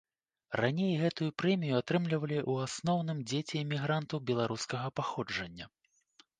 Раней гэтую прэмію атрымлівалі ў асноўным дзеці эмігрантаў беларускага паходжання.